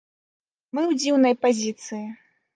Мы ў дзіўнай пазіцыі.